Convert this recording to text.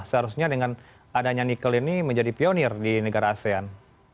seharusnya dengan adanya nikel ini menjadi pionir di negara asean